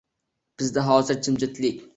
Bizda hozir jimjitlik